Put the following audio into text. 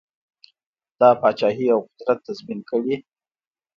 دا پاچهي او قدرت تضمین کړي.